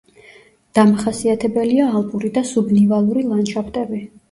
დამახასიათებელია ალპური და სუბნივალური ლანდშაფტები.